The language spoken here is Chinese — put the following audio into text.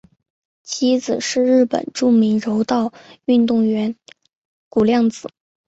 妻子是日本著名柔道运动员谷亮子。